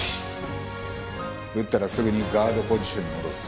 打ったらすぐにガードポジションに戻す。